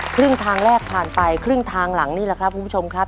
ครึ่งทางแรกผ่านไปครึ่งทางหลังนี่แหละครับคุณผู้ชมครับ